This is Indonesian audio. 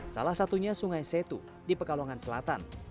salah satunya sungai setu di pekalongan selatan